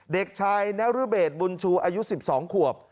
เด็กชายนรเบศบุญชูอายุ๑๒ขวบ